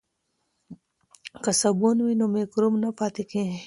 که صابون وي نو مکروب نه پاتې کیږي.